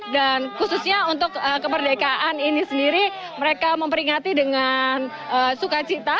dan khususnya untuk kemerdekaan ini sendiri mereka memperingati dengan suka cita